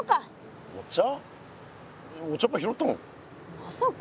まさか。